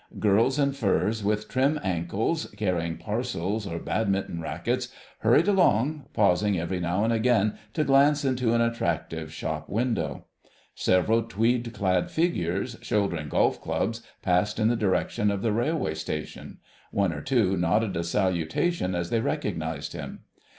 Girls in furs, with trim ankles, carrying parcels or Badminton raquets, hurried along, pausing every now and again to glance into an attractive shop window. Several tweed clad figures, shouldering golf clubs, passed in the direction of the railway station; one or two nodded a salutation as they recognised him.